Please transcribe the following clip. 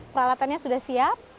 peralatannya sudah siap